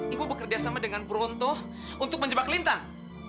ibu bekerja sama dengan bronto untuk menjebak lintang